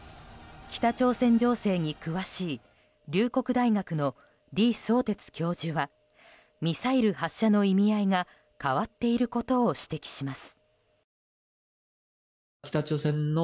北朝鮮情勢に詳しい龍谷大学の李相哲教授はミサイル発射の意味合いが変わっていることを指摘します。